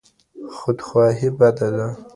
خودخواهي بده ده.